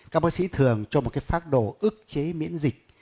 các bác sĩ thường cho một phác đồ ước chế miễn dịch